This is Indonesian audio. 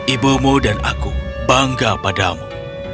ibumu dan aku bangga padamu